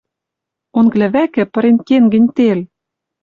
Онг лӹвӓкӹ пырен кен гӹнь тел?